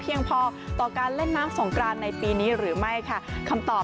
ยังพอต่อการเล่นน้ำสงกรานในปีนี้หรือไม่ค่ะคำตอบ